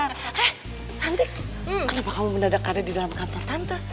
eh cantik kenapa kamu mendadak karya di dalam kantor tante